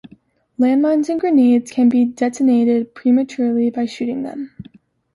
Land mines and grenades can be detonated prematurely by shooting them.